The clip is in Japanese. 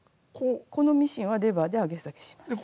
このミシンはレバーで上げ下げします。